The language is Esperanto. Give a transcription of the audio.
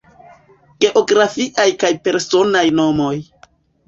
Geografiaj kaj personaj nomoj.